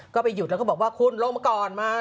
ก็ไปหยุดแล้วก็บอกว่าคุณลงมาก่อนมา